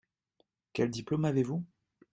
Quel diplôme avez-vous ?